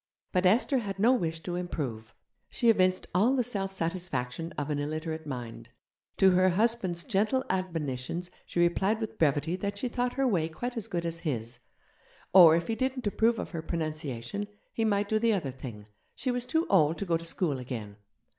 But Esther had no wish to improve. She evinced all the self satisfaction of an illiterate mind. To her husband's gentle admonitions she replied with brevity that she thought her way quite as good as his; or, if he didn't approve of her pronunciation, he might do the other thing, she was too old to go to school again.